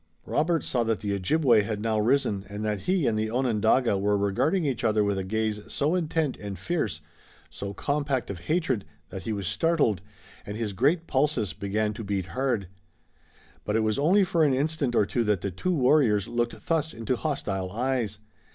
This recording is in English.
Robert saw that the Ojibway had now risen and that he and the Onondaga were regarding each other with a gaze so intent and fierce, so compact of hatred that he was startled and his great pulses began to beat hard. But it was only for an instant or two that the two warriors looked thus into hostile eyes.